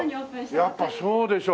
やっぱそうでしょう。